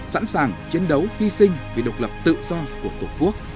sẵn sàng chiến đấu hy sinh vì độc lập tự do của tổ quốc